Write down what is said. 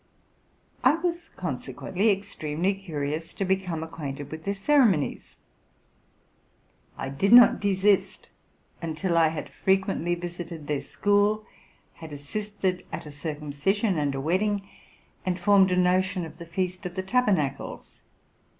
I was consequently extremely curious to 'become acquainted with their ceremonies. I did not desist until I had frequently visited their school, had assisted at a circumcision and a wed ding, and formed a notion of the Feast of the Tabernacles.